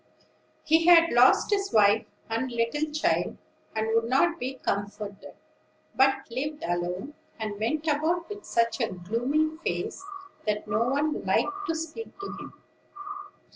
He had lost his wife and little child, and would not be comforted; but lived alone, and went about with such a gloomy face that no one liked to speak to him.